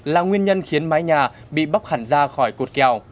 là nguyên nhân khiến mái nhà bị bóc hẳn ra khỏi cột kèo